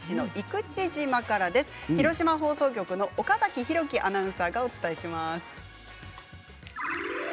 福島放送局の岡崎太希アナウンサーがお伝えします。